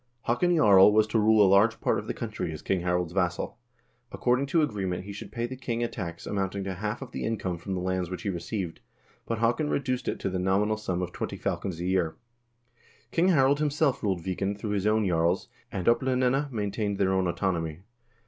Haakon Jarl was to rule a large part of the country as King Harald's vassal. According to agreement he should pay the king a tax amounting to half of the income from the lands which he received, but Haakon reduced it to the nominal sum of twenty falcons a year. King Harald himself ruled Viken through his own jarls, and Oplandene maintained their own autonomy.